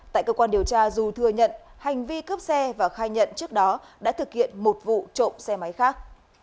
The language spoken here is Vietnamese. tại cơ quan điều tra dù thừa nhận hành vi cướp xe và khai nhận trước đó đã thực hiện một vụ trộm xe máy khác